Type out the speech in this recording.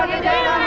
hidup di jaya lama